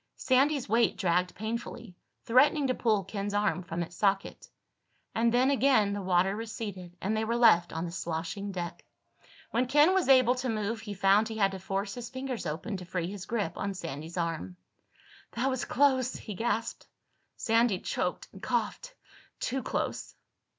Sandy's weight dragged painfully, threatening to pull Ken's arm from its socket. And then again the water receded and they were left on the sloshing deck. When Ken was able to move he found he had to force his fingers open to free his grip on Sandy's arm. "That was close," he gasped. Sandy choked and coughed. "Too close."